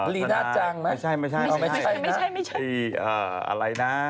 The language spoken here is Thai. รีนาจังไหมไม่ใช่นะที่อะไรนะ